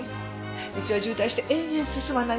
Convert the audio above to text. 道は渋滞して延々進まない。